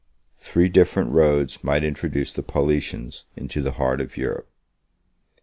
Three different roads might introduce the Paulicians into the heart of Europe.